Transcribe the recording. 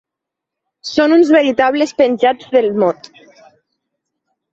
Són uns veritables penjats del mot.